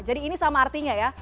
jadi ini sama artinya ya